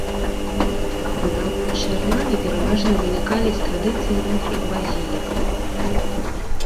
Будаўнічыя планы пераважна вынікалі з традыцыі рымскіх базілік.